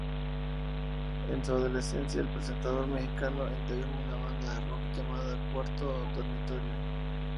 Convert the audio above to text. En su adolescencia el presentador mexicano integró una banda de rock llamada Cuarto Dormitorio.